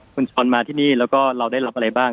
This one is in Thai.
คุณช้อนมาที่นี่แล้วก็เราได้รับอะไรบ้าง